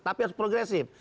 tapi harus progresif